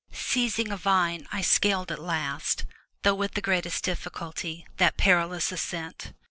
Seizing a vine, I scaled at last, though with the greatest difficulty, that perilous ascent.